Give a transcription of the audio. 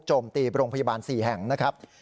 โจมตีโรงพยาบาล๔แห่งนะครับ